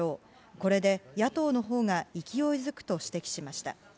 これで野党のほうが勢いづくと指摘しました。